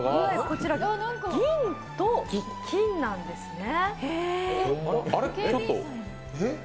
こちら、銀と金なんですね。